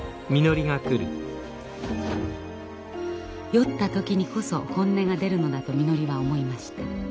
酔った時にこそ本音が出るのだとみのりは思いました。